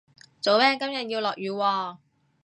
做咩今日要落雨喎